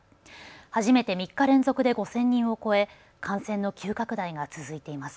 初めて３日連続で５０００人を超え、感染の急拡大が続いています。